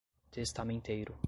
testamenteiro